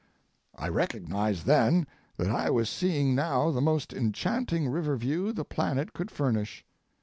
I recognized then that I was seeing now the most enchanting river view the planet could furnish.